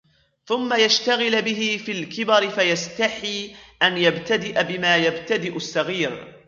ثُمَّ يَشْتَغِلَ بِهِ فِي الْكِبَرِ فَيَسْتَحِي أَنْ يَبْتَدِئَ بِمَا يَبْتَدِئُ الصَّغِيرُ